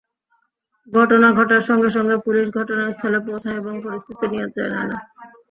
ঘটনা ঘটার সঙ্গে সঙ্গে পুলিশ ঘটনাস্থলে পৌঁছায় এবং পরিস্থিতি নিয়ন্ত্রণে আনে।